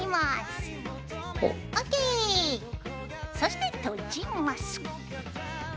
そして閉じます。